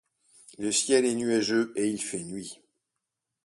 Le ciel est nuageux et il fait nuit.